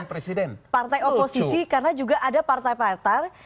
karena ini sebenarnya tidak hanya partai oposisi karena juga ada partai partai